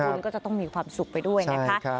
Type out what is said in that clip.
คุณก็จะต้องมีความสุขไปด้วยนะคะ